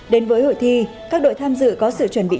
đến với hội thi các đội tham dự có sự chuẩn bị